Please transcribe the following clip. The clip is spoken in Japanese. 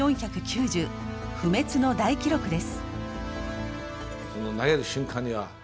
不滅の大記録です。